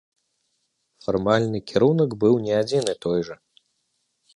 Фармальны кірунак быў не адзін і той жа.